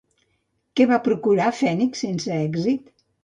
Què va procurar, Fènix, sense èxit?